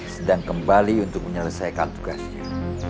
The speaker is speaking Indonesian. sedang kembali untuk menyelesaikan tugasnya